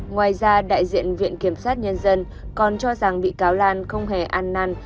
ngoài ra đại diện viện kiểm sát nhân dân còn cho rằng bị cáo lan không hề an năn